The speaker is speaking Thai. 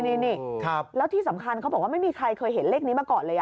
นี่แล้วที่สำคัญเขาบอกว่าไม่มีใครเคยเห็นเลขนี้มาก่อนเลย